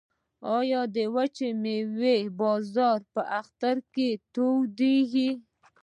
آیا د وچې میوې بازار په اختر کې تودیږي؟